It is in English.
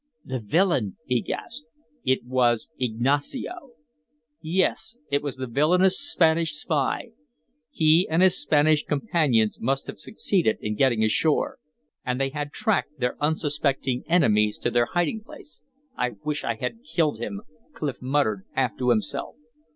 "The villain!" he gasped. It was Ignacio! Yes, it was the villainous Spanish spy. He and his Spanish companions must have succeeded in getting ashore. And they had tracked their unsuspecting enemies to their hiding place. "I wish I had killed him!" Clif muttered half to himself.